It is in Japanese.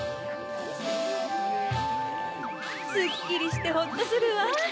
すっきりしてホッとするわ。